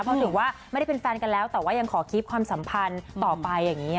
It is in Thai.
เพราะถึงแกไม่ได้เป็นแฟนกันแล้วแต่องคี่ความสัมภันธ์ต่อไปอย่างนี้ค่ะ